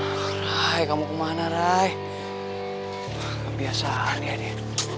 hai hai kamu kemana rai kebiasaan ya dia